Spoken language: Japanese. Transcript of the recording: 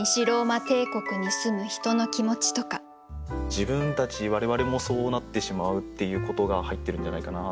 自分たち我々もそうなってしまうっていうことが入ってるんじゃないかな。